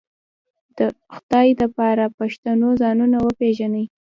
د خدای د پاره پښتنو ځانونه وپېژنئ